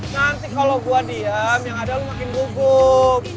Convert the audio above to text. nanti kalau gue diam yang ada lu makin gugup